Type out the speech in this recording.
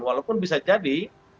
walaupun bisa jadi